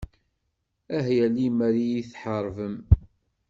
Ah ya limer iyi-theṛṛbem.